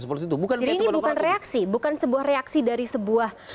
jadi ini bukan reaksi bukan sebuah reaksi dari sebuah serangan